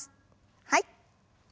はい。